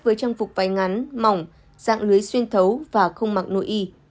với trang phục vai ngắn mỏng dạng lưới xuyên thấu và không mặc nội y